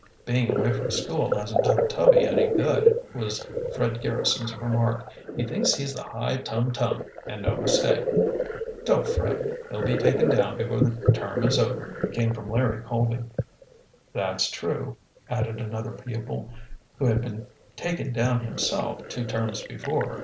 "Being away from school hasn't done Tubby any good," was Fred Garrison's remark. "He thinks he's the High Tum Tum, and no mistake." "Don't fret, he'll be taken down before the term is over," came from Larry Colby. "That's true," added another pupil, who had been taken down himself two terms before.